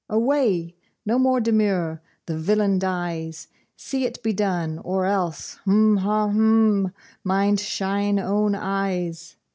Away, no more demur, the villain dies! See it be done, or else, h'm ha! h'm! mind shine own eyes!